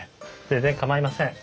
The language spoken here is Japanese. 全然構いません。